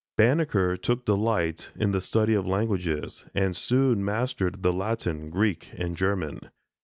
Banneker took delight in the study of the languages, and soon mastered the Latin, Greek and German.